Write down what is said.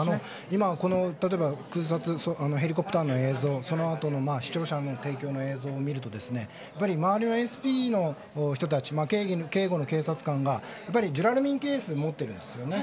今、例えば空撮ヘリコプターの映像そのあとの視聴者の提供の映像を見るとやっぱり周りはＳＰの人たち警護の警察官がジュラルミンケースを持っているんですね。